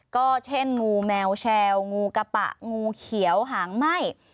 ก็เช่นงูแมวแชวงูกะปะงูเขียวหางไหม้